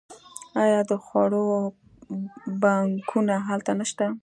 آیا د خوړو بانکونه هلته نشته؟